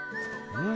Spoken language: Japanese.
うん？